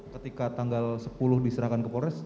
ketika tanggal sepuluh diserahkan ke polres